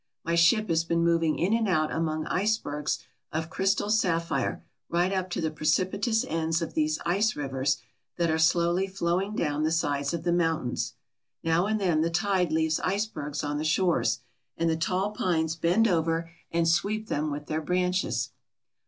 My ship has been moving in and out among icebergs of crystal sapphire right up to the precipitous ends of these ice rivers that are slowly flowing down the sides of the mountains. Now and then the tide leaves icebergs on the shores, and the tall pines bend over and sweep them with their branches.